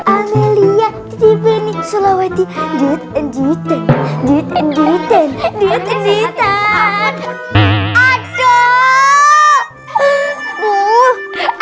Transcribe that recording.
amelia titip ini sulawesi duit duitan duit duitan duit duitan aduh